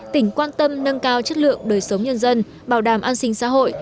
tỉnh quan tâm nâng cao chất lượng đời sống nhân dân bảo đảm an sinh xã hội